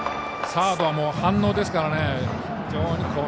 サードは反応ですからね。